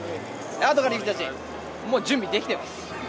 あとから行く人たち、もう準備できてます。